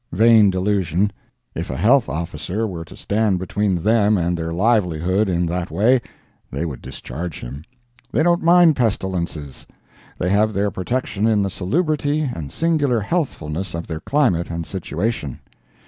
Vain delusion! If a Health Officer were to stand between them and their livelihood in that way they would discharge him. They don't mind pestilences. They have their protection in the salubrity and singular healthfulness of their climate and situation.